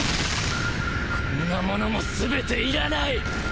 こんなものも全て要らない！！